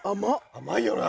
甘いよな？